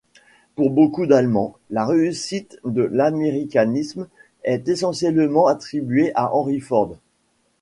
Pour beaucoup d’Allemands, la réussite de l’américanisme est essentiellement attribuée à Henry Ford.